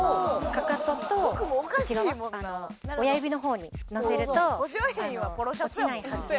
かかとと内側親指の方にのせると落ちないはずです。